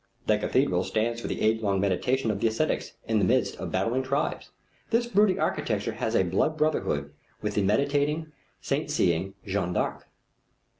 The cathedral stands for the age long meditation of the ascetics in the midst of battling tribes. This brooding architecture has a blood brotherhood with the meditating, saint seeing Jeanne d'Arc.